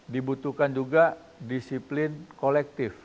dibutuhkan juga disiplin kolektif